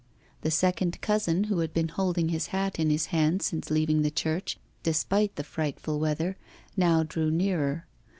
The second cousin, who had been holding his hat in his hand since leaving the church, despite the frightful weather, now drew nearer.